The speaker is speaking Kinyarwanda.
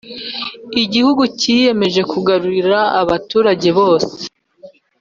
Igihugu cyiyemeje kugaburira abaturage bose.